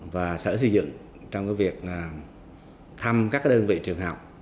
và sở tài nguyên môi trường trong việc thăm các đơn vị trường học